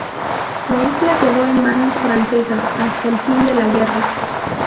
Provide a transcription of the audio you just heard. La isla quedó en manos francesas hasta el fin de la guerra.